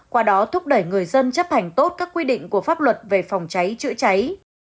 qua đó thúc đẩy người dân chấp hành tốt các quy định của pháp luật về phòng cháy chữa cháy